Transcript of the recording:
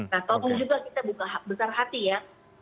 nah tolong juga kita buka besar hati ya